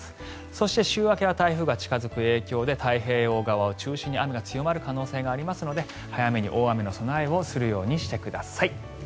そして週明けは台風が近付く影響で太平洋側を中心に雨が強まる可能性がありますので早めに大雨の備えをするようにしてください。